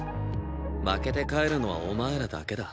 負けて帰るのはお前らだけだ。